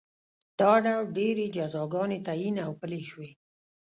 دا ډول ډېرې جزاګانې تعین او پلې شوې